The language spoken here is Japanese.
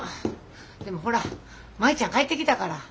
でもほら舞ちゃん帰ってきたから。